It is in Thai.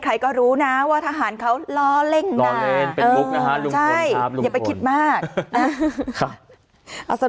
เป็นเรื่องของทหารด้วยอะ